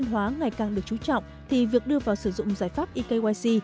nếu những ngày càng được chú trọng thì việc đưa vào sử dụng giải pháp ekyc